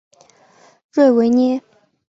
瑞维涅。